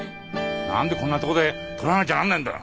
何でこんなとこで撮らなきゃなんねえんだ。